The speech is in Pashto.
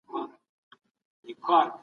ایسټروجن د سېروټونین ریسپټرونه فعالوي.